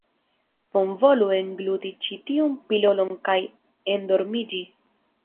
Bonvolu engluti ĉi tiun pilolon kaj endormiĝi.